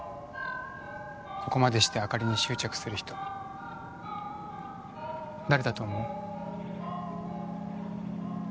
ここまでして朱莉に執着する人誰だと思う？